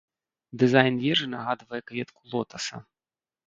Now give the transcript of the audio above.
Дызайн вежы нагадвае кветку лотаса.